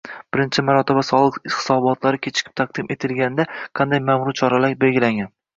birinchi marotaba soliq hisobotlari kechikib taqdim etilganda qanday ma’muriy choralar belgilangan?